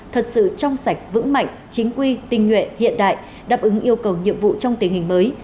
thật sự trong sạch vững mạnh chính quy tinh nguyện hiện đại đáp ứng yêu cầu nhiệm vụ trong tình hình mới